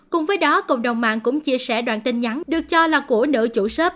cùng với đó cộng đồng mạng cũng chia sẻ đoạn tin nhắn được cho là của nữ chủ shop